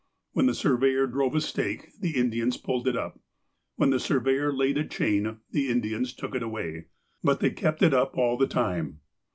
When the sur veyor drove a stake, the Indians pulled it up. When the surveyor laid a chain, the Indians took it away. But they kept it up all the time.